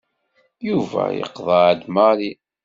Yuba yeqḍeɛ-d Mary.